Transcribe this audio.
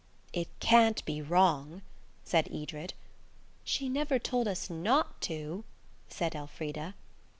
"It can't be wrong," said Edred. "She never told us not to," said Elfrida.